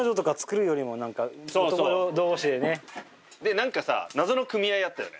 何かさ謎の組合やったよね？